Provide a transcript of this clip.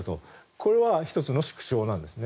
これは１つの縮小なんですね。